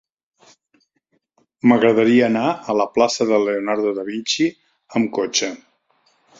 M'agradaria anar a la plaça de Leonardo da Vinci amb cotxe.